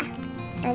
nanti aku kangen